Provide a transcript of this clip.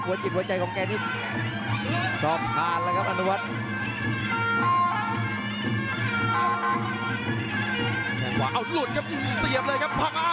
อันวัดเบียดเข้ามาอันวัดโดนชวนแรกแล้ววางแค่ขวาแล้วเสียบด้วยเขาซ้าย